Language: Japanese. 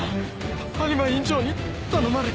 播磨院長に頼まれて。